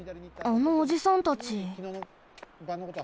あのおじさんたち。